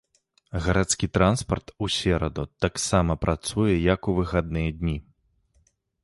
Гарадскі транспарт у сераду таксама працуе як у выхадныя дні.